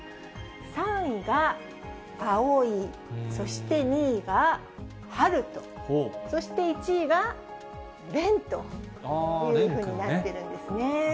３位が蒼、そして２位が陽翔、そして１位が蓮というふうになってるんですね。